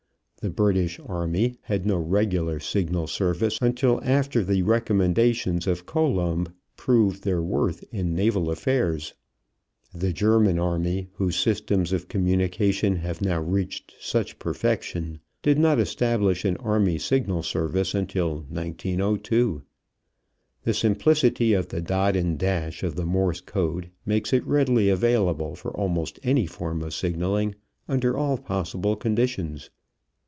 The British army had no regular signal service until after the recommendations of Colomb proved their worth in naval affairs. The German army, whose systems of communication have now reached such perfection, did not establish an army signal service until 1902. The simplicity of the dot and dash of the Morse code makes it readily available for almost any form of signaling under all possible conditions.